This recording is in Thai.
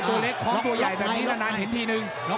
ตัวเล็กคอตัวใหญ่แบบนี้นานเห็นทีนึง